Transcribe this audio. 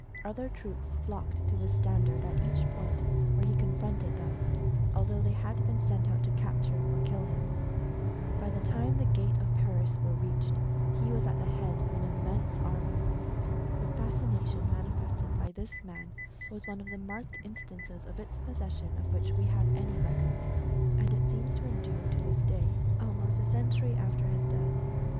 Other troops flocked to his standard at each point where he confronted them, al though they had been sent out to capture or kill him. By the time the gat4^>f Paris were reached, he was at the head of an immense army. The fascination manifested by this man was one of the marked in stances of its possession of which we have any record. And it seems to endure to this day — almost a century after his death.